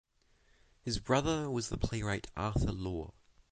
His brother was the playwright Arthur Law.